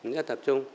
rất tập trung